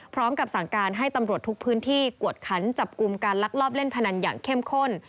พร้อมกับสั่งการให้ตำรวจทุกพื้นที่กวดขันจับกลุ่มการลักลอบเล่นพนันอย่างเข้มข้น